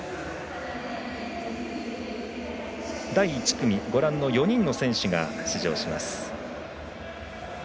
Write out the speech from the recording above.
第１組、ご覧の４人の選手が出場します。